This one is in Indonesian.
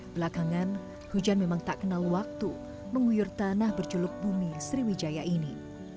belakangan hujan memang tak kenal waktu menguyur tanah berjuluk bumi sriwijaya ini